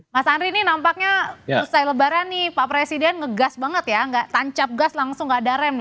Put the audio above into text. mas andri ini nampaknya usai lebaran nih pak presiden ngegas banget ya nggak tancap gas langsung nggak ada rem